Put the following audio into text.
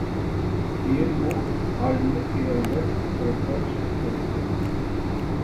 كىيىن ئۇ ئايلىنىپ كىرەي دەپ سىرتقا چىقىپ كەتتى.